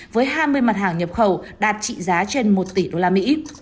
với hai mươi mặt hàng nhập khẩu đạt trị giá trên một tỷ usd